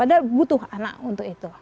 padahal butuh anak untuk itu